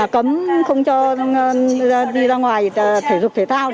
cấm không cho đi ra ngoài thể dục thể thao